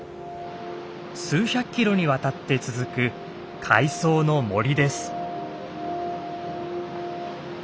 数百キロにわたって続く海藻の森です。